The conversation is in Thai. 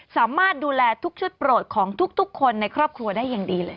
สามารถดูแลทุกชุดโปรดของทุกคนในครอบครัวได้อย่างดีเลย